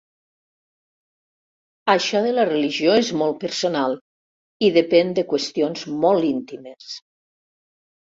Això de la religió és molt personal i depèn de qüestions molt íntimes.